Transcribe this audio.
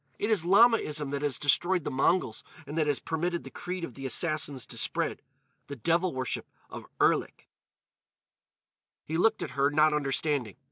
It is Lamaism that has destroyed the Mongols and that has permitted the creed of the Assassins to spread—the devil worship of Erlik." He looked at her, not understanding.